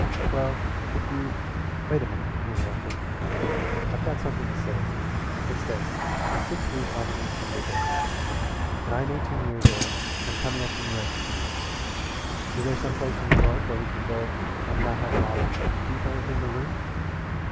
"Well, if you " "Wait a minute," he interrupted. "I've got something to say. It's this: in six weeks I'll be eighteen years old. When I'm eighteen years old I'm coming up to New York to see you. Is there some place in New York where we can go and not have a lot of people in the room?"